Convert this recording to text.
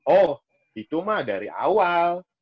oh itu mah dari awal